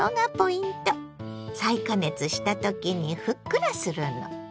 再加熱した時にふっくらするの。